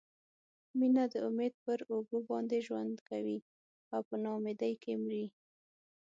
مینه د امید پر اوږو باندې ژوند کوي او په نا امیدۍ کې مري.